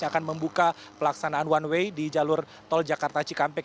yang akan membuka pelaksanaan one way di jalur tol jakarta cikampek